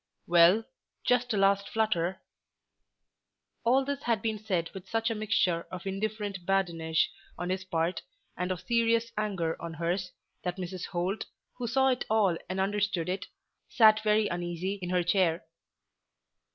"Well; just a last flutter." All this had been said with such a mixture of indifferent badinage on his part, and of serious anger on hers, that Mrs. Holt, who saw it all and understood it, sat very uneasy in her chair.